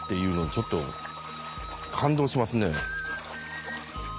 ちょっと感動しますね。